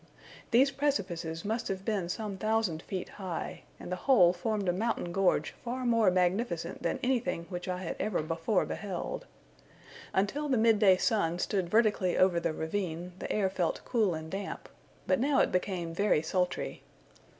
These precipices must have been some thousand feet high; and the whole formed a mountain gorge far more magnificent than anything which I had ever before beheld. Until the midday sun stood vertically over the ravine, the air felt cool and damp, but now it became very sultry.